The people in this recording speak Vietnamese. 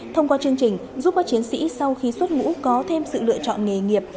thông qua chương trình giúp các chiến sĩ sau khi xuất ngũ có thêm sự lựa chọn nghề nghiệp